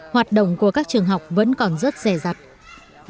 hoạt động của các trường học vẫn còn rất rẻ rặt